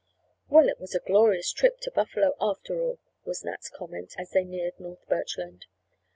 "Well, it was a glorious trip to Buffalo after all," was Nat's comment, as they neared North Birchland.